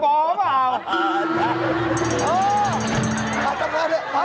ต้องการด้วยมา